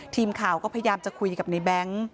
ทีมข่าวก็พยายามจะคุยกับในแบงค์